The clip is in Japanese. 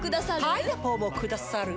パイナポーもくださるぅ？